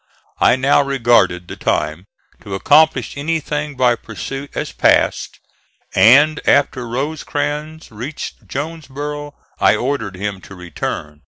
I now regarded the time to accomplish anything by pursuit as past and, after Rosecrans reached Jonesboro, I ordered him to return.